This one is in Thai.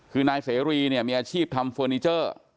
คือนายเสรีเนี่ยมีอาชีพทำเฟอร์นิเจอร์